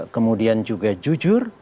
kemudian juga jujur